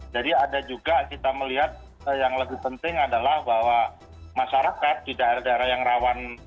jadi ada juga kita melihat yang lebih penting adalah bahwa masyarakat di daerah daerah yang rawan